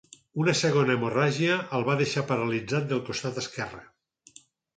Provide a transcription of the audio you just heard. Una segona hemorràgia el va deixar paralitzat del costat esquerre.